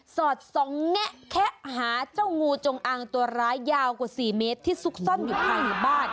สอดส่องแงะแคะหาเจ้างูจงอางตัวร้ายยาวกว่า๔เมตรที่ซุกซ่อนอยู่ภายในบ้าน